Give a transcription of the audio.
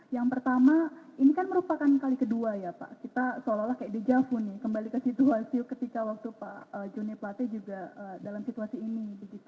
yang pertama ini kan merupakan kali kedua ya pak kita seolah olah kayak dijafu nih kembali ke situasi ketika waktu pak joni plate juga dalam situasi ini